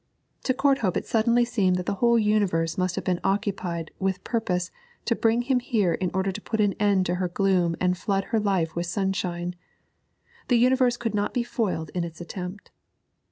To Courthope it suddenly seemed that the whole universe must have been occupied with purpose to bring him here in order to put an end to her gloom and flood her life with sunshine; the universe could not be foiled in its attempt.